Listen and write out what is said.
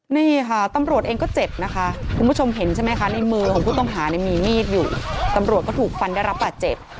นี่ค่ะตำรวจเองก็เจ็บนะคะคุณผู้ชมเห็นใช่ไหมคะในมือของผู้ต้องหาเนี่ยมีมีดอยู่ตำรวจก็ถูกฟันได้รับบาดเจ็บ